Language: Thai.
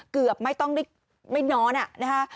เกือบไม่ต้องไม่นอนนะคะ